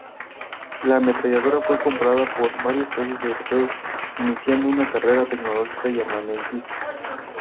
La ametralladora fue comprada por varios países europeos, iniciando una carrera tecnológica y armamentista.